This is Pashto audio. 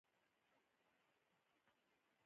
نو نوي ویښتان کولی شي